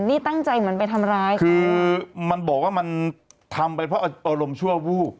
นี่ตั้งใจเหมือนไปทำร้ายคือมันบอกว่ามันทำไปเพราะอารมณ์ชั่ววูบ